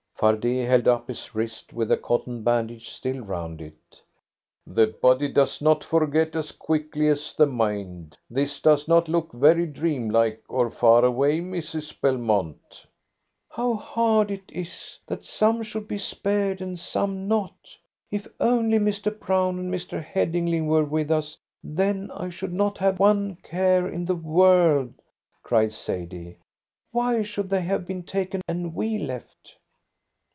Fardet held up his wrist with a cotton bandage still round it. "The body does not forget as quickly as the mind. This does not look very dream like or far away, Mrs. Belmont." "How hard it is that some should be spared, and some not! If only Mr. Brown and Mr. Headingly were with us, then I should not have one care in the world," cried Sadie. "Why should they have been taken, and we left?"